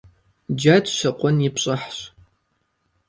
Джэд щыкъун и пщӀыхьщ.